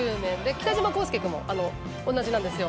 北島康介君も同じなんですよ。